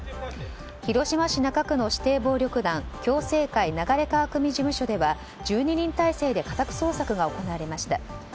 広島市中区の指定暴力団共政会流川事務所では１２人態勢で家宅捜索が行われました。